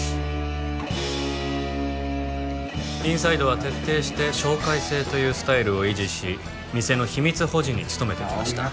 ｉｎｓｉｄｅは徹底して紹介制というスタイルを維持し店の秘密保持に努めてきました